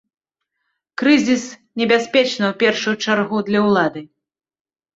Крызіс небяспечны ў першую чаргу для ўлады.